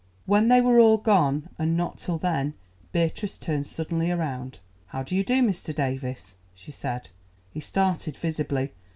When they were all gone, and not till then, Beatrice turned suddenly round. "How do you do, Mr. Davies?" she said. He started visibly.